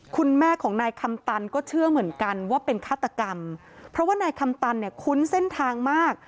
คุณแม่ของนายคำตันก็เชื่อเหมือนกันว่าเป็นฆาตกรรมเพราะว่านายคำตันเนี่ยคุ้นเส้นทางมาก